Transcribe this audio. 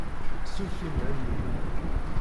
Suref i Mhenni.